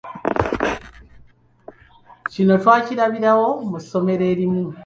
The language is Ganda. Kino twakirabira mu ssomero erimu.